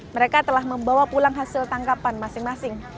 mereka telah membawa pulang hasil tangkapan masing masing